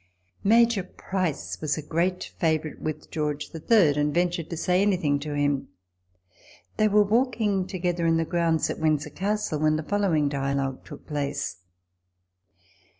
Major Price* was a great favourite with George the Third, and ventured to say anything to him. They were walking together in the grounds at Windsor Castle, when the following dialogue took place.